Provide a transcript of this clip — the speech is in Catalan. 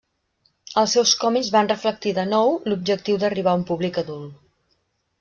Els seus còmics van reflectir de nou, l'objectiu d'arribar a un públic adult.